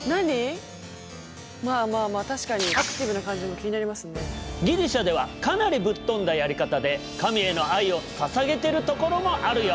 確かにギリシャではかなりぶっ飛んだやり方で神への愛をささげてるところもあるよ。